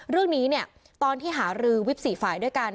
เรื่องนี้เนี่ยตอนที่หารือวิป๔ฝ่ายด้วยกัน